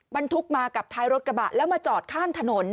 บรรทุกมากับท้ายรถกระบะแล้วมาจอดข้างถนน